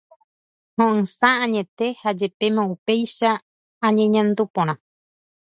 Ho'ysã añete ha jepémo upéicha añeñandu porã.